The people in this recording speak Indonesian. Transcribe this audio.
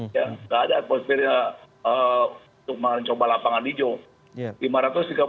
tidak ada atmosfernya untuk mencoba lapangan hijau